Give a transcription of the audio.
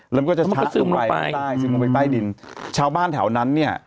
แล้วมันก็จะชะลงไปใต้ดินชาวบ้านแถวนั้นเนี่ย